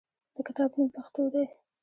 د کتاب نوم "پښتو" دی.